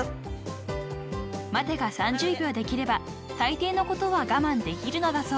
［待てが３０秒できれば大抵のことは我慢できるのだそう］